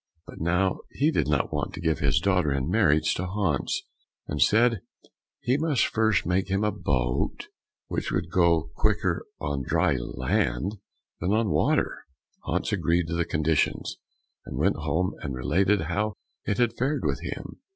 but now he did not want to give his daughter in marriage to Hans, and said he must first make him a boat which would go quicker on dry land than on water. Hans agreed to the conditions, and went home, and related how it had fared with him.